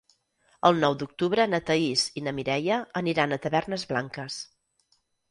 El nou d'octubre na Thaís i na Mireia aniran a Tavernes Blanques.